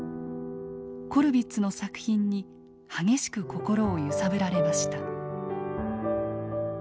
コルヴィッツの作品に激しく心を揺さぶられました。